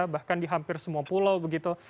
bahkan di hampir semua pulau begitu